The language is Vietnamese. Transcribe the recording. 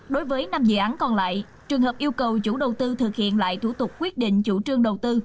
đối với năm dự án còn lại trường hợp yêu cầu chủ đầu tư thực hiện lại thủ tục quyết định chủ trương đầu tư